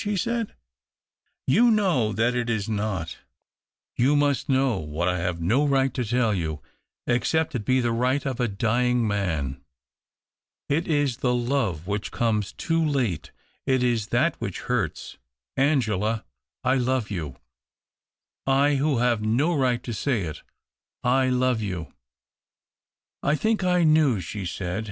" she said. " You know that it is not. You must know what I have no right to tell you — 262 THE OCTAVE OF CLAUDIUS. except it be tlie right of a dying man. It is the love which comes too late— it is that which hurts : Angela, I love you — I who have no right to say it — I love you." " I think I knew," she said.